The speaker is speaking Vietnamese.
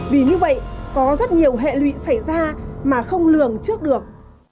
vì như vậy có rất nhiều hệ lụy xảy ra mà không lường trước được